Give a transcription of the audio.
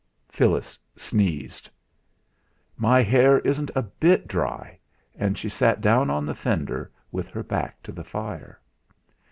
Phyllis sneezed. "My hair isn't a bit dry," and she sat down on the fender with her back to the fire.